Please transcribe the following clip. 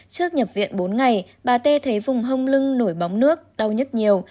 trước nhập viện bốn ngày bà tê thấy vùng hông lưng nổi bóng nước đau nhức nhiều